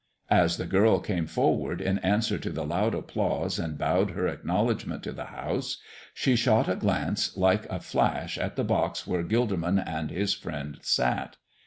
As the girl came forward in answer to the loud applause and bowed her acknowledgment to the house, she shot a glance like a flash at the box where Gilderman and his friend sat.